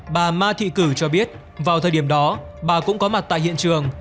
bà ma thị cử cho biết vào thời điểm đó bà cũng có mặt tại hiện trường